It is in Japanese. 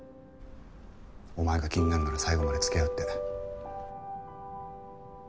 お前が気になるなら最後まで付き合うって。